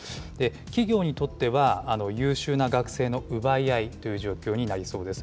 企業にとっては優秀な学生の奪い合いという状況になりそうです。